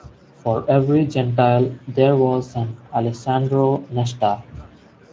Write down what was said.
For every Gentile there was an Alessandro Nesta.